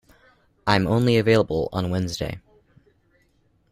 I am only available on Wednesday.